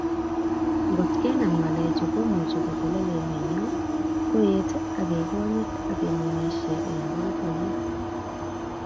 Ngotkenam ngalechu komuchi kotelel emenyo, koet ak kekonyit ak kemengisie eng boiboiyet